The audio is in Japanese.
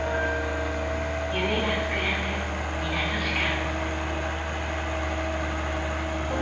夢が膨らむ港時間。